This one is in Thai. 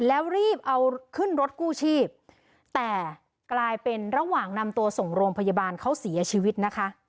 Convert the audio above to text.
แล้วรีบเอาขึ้นรถกู้ชีพแต่กลายเป็นระหว่างนำตัวส่งโรงพยาบาลเขาเสียชีวิตนะคะ